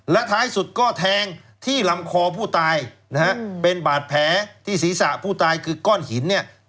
และท้ายสุดก็แทงที่ลำคอผู้ตายนะฮะเป็นบาดแผลที่ศีรษะผู้ตายคือก้อนหินเนี่ย